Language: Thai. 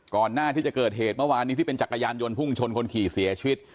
หน้าที่จะเกิดเหตุเมื่อวานนี้ที่เป็นจักรยานยนต์พุ่งชนคนขี่เสียชีวิต